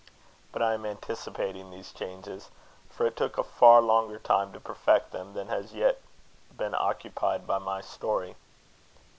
But I am anticipating these changes, for it took a far longer time to perfect them than has yet been occupied by my story.